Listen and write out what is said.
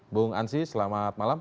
bung ansi selamat malam